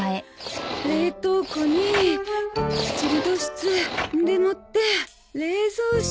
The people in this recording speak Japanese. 冷凍庫にチルド室でもって冷蔵室。